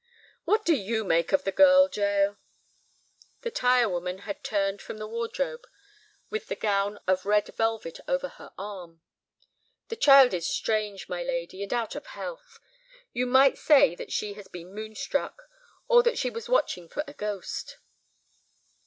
"What do you make of the girl, Jael?" The tire woman had turned from the wardrobe with the gown of red velvet over her arm. "The child is strange, my lady, and out of health. You might say that she had been moon struck, or that she was watching for a ghost."